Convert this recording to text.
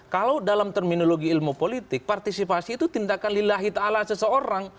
kalau dalam terminologi ilmu politik partisipasi itu tindakan lillahita ala seseorang